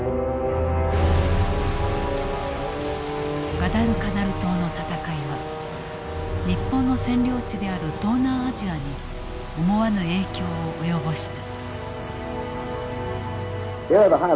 ガダルカナル島の戦いは日本の占領地である東南アジアに思わぬ影響を及ぼした。